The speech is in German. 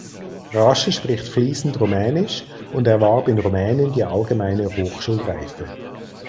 Rasche spricht fließend Rumänisch und erwarb in Rumänien die Allgemeine Hochschulreife.